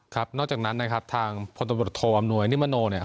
ครับนอกจากนั้นนะครับทางพลตนบริษนาโรทโดรปอำนวยนิมโนเนี่ย